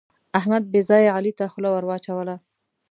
احمد بې ځایه علي ته خوله ور واچوله.